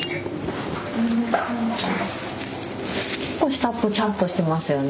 結構下ぽちゃっとしてますよね